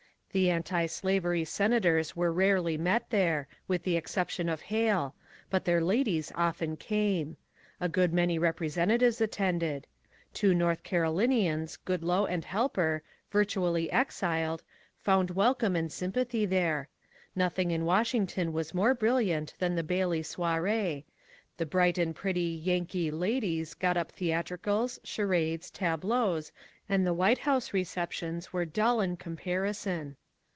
The antislavery senators were rarely met there, with the exception of Hale; but their ladies often came. A good many representatives attended. Two North 212 MONCURE DANIEL CONWAY Carolinians, Goodloe and Helper, yirtually exiled, found wel come and sympathy there. Nothing in Washington was more brilliant than the Bailey soiree. The bright and pretty ^^ Yankee " ladies got up theatricals, charades, tableaux, and the White House receptions were dull in comparison.